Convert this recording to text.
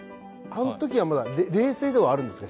あの時はまだ冷静ではあるんですか？